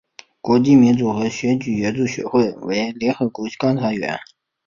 国际民主和选举援助学会为联合国观察员。